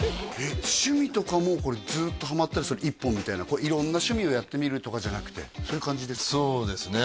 趣味とかもずっとハマったらそれ１本みたいな色んな趣味をやってみるとかじゃなくてそういう感じですか？